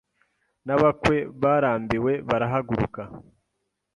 n'abakwe barambiwe barahaguruka